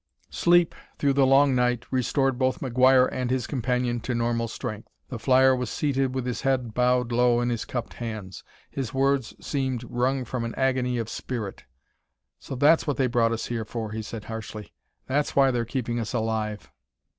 Sleep, through the long night, restored both McGuire and his companion to normal strength. The flyer was seated with his head bowed low in his cupped hands. His words seemed wrung from an agony of spirit. "So that's what they brought us here for," he said harshly; "that's why they're keeping us alive!"